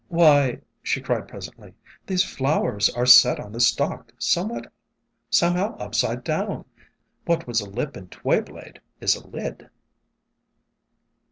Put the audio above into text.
"Why!" she cried presently, "these flowers are set on the stalk somehow upside down! What was a lip in Twayblade is a lid."